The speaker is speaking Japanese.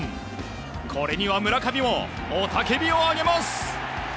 これには村上もおたけびを上げます。